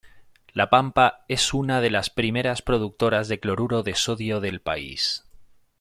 La Pampa es una de las primeras productoras de cloruro de sodio del país.